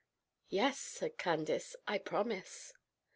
"Yes," said Candace, "I promise."